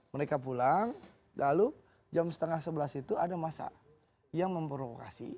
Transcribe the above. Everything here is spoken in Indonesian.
mereka pulang lalu jam setengah sebelas itu ada masa yang memprovokasi